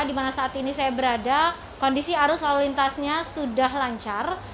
di mana saat ini saya berada kondisi arus lalu lintasnya sudah lancar